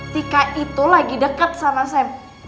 tika itu lagi dekat sama sam